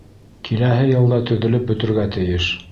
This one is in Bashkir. Киләһе йылда төҙөлөп бөтөргә тейеш.